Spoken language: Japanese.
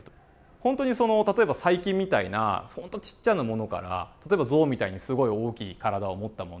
本当にその例えば細菌みたいな本当ちっちゃなものから例えばゾウみたいにすごい大きい体を持ったもの。